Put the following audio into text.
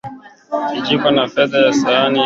Kijiko cha fedha na sahani ya karatasi